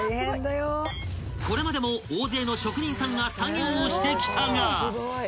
［これまでも大勢の職人さんが作業してきたが］